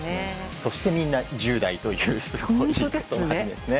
そしてみんな１０代というすごいことなんですね。